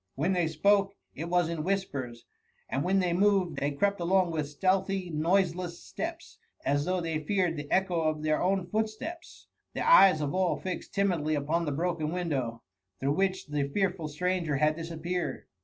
When they spoke, it was in whispers, and when they moved, they crept along with stealthy noiseless Steps, as though they feared the echo of their own footsteps; the eyes of all fixed timidly upon the broken window, through which the fearful stranger had disappeared.